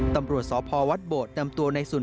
ตำรวจสพวัดโบดนำตัวในสุน